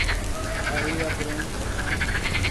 Areia Branca